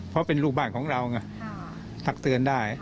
เพราะเป็นลูกบ้านของเราไงทักเตือนได้